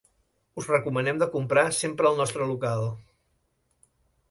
Us recomanem de comprar sempre el nostre local.